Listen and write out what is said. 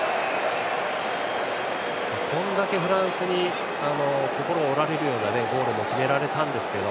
これだけフランスに心を折られるようなゴールも決められたんですが。